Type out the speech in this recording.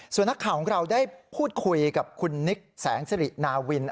ส่วนนักข่าวของเราได้พูดคุยกับคุณนิกแสงสิรินาวิน